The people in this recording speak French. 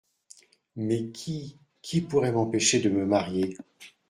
Mais qui ? qui pourrait m’empêcher de me marier ?